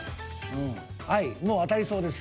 うんはいもう当たりそうです。